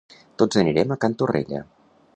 Tots anirem a Can Torrella.